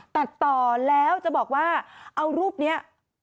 ตัดต่อแล้วจะบอกว่าเอารูปนี้